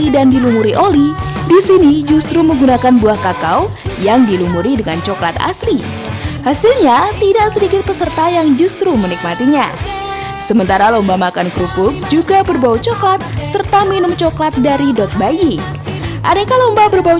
dan voli buta memakai helm